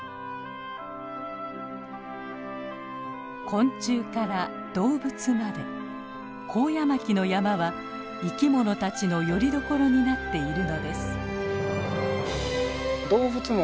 昆虫から動物までコウヤマキの山は生き物たちのよりどころになっているのです。